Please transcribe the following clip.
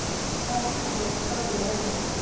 ქალაქში ჩამოედინება მდინარე მურეი.